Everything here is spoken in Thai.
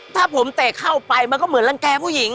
ถ้าผมเตะเข้าไปมันก็เหมือนรังแก่ผู้หญิง